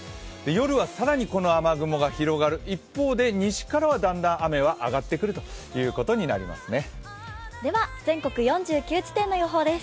夜は更にこの雨雲が広がる一方で西からはだんだん雨は上がってくることになりますね。